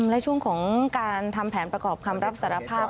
และช่วงของการทำแผนประกอบคำรับสารภาพ